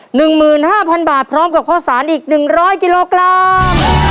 ๑หมื่น๕๐๐๐บาทพร้อมกับข้อสารอีก๑๐๐กิโลกรัม